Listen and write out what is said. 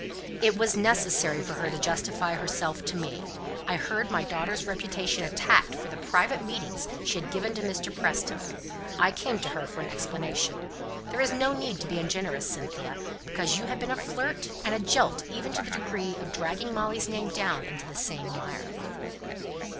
"It was necessary for her to justify herself to me I heard my daughter's reputation attacked for the private meetings she had given to Mr. Preston I came to her for an explanation. There's no need to be ungenerous, Cynthia, because you've been a flirt and a jilt, even to the degree of dragging Molly's name down into the same mire."